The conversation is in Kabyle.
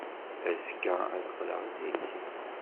Azekka ad d-qqleɣ zik.